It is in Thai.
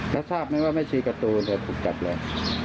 แล้วท่านทราบมั้ยว่าแม่ชีการ์ตูนเนี่ยถูกกัดเลย